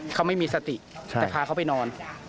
เขาไม่มีสติแต่พาเขาไปนอน